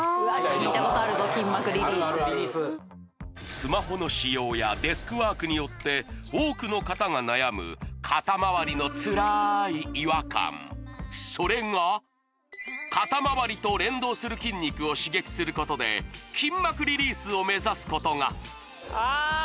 聞いたことあるぞ筋膜リリースあるあるあるスマホの使用やデスクワークによって多くの方が悩む肩まわりのつらい違和感それが肩まわりと連動する筋肉を刺激することで筋膜リリースを目指すことが！